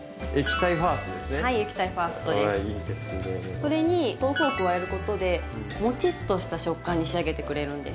それに豆腐を加えることでもちっとした食感に仕上げてくれるんです。